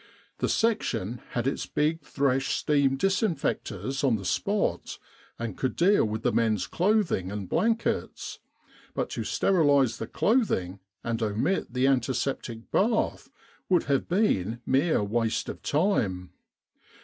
The section had its big Thresh steam disinfectors on the spot and could deal with the men's clothing and blankets; but to sterilise the clothing and omit the antiseptic bath would have been mere waste of time.